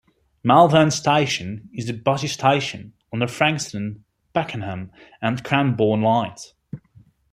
Malvern Station is a busy station, on the Frankston, Pakenham and Cranbourne lines.